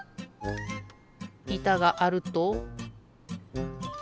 いたがあると。